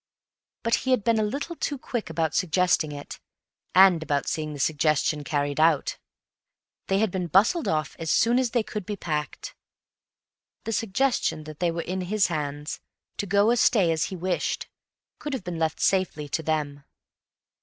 But he had been a little too quick about suggesting it, and about seeing the suggestion carried out. They had been bustled off as soon as they could be packed. The suggestion that they were in his hands, to go or stay as he wished, could have been left safely to them.